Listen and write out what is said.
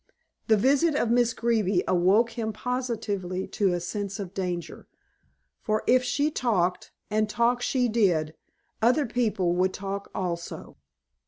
The visit of Miss Greeby awoke him positively to a sense of danger, for if she talked and talk she did other people would talk also.